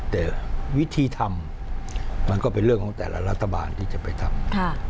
แต่วิธีทำมันก็เป็นเรื่องของแต่ละรัฐบาลที่จะไปทำ